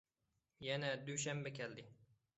يەنە دۈشەنبە كەلدى.